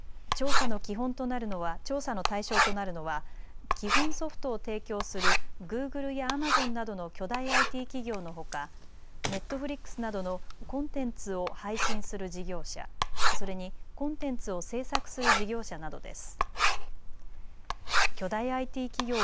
調査の対象となるのは基本ソフトを提供するグーグルやアマゾンなどの巨大ＩＴ企業のほかネットフリックスなどのコンテンツを配信する事業者、それにコンテンツを制作する事業者などです。